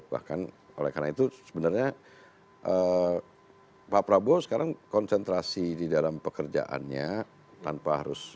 bahkan oleh karena itu sebenarnya pak prabowo sekarang konsentrasi di dalam pekerjaannya tanpa harus